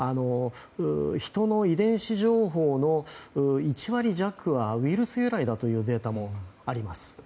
ヒトの遺伝子情報の１割弱はウイルス由来だというデータもあります。